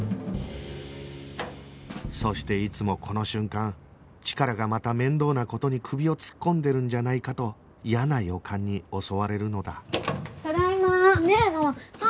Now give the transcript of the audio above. そしていつもこの瞬間チカラがまた面倒な事に首を突っ込んでるんじゃないかと嫌な予感に襲われるのだ